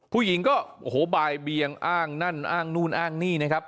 ผู้หญิงก็โอ้โหบ่ายเบียงอ้างนั่นอ้างนู่นอ้างนี่นะครับ